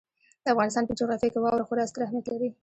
د افغانستان په جغرافیه کې واوره خورا ستر اهمیت لري.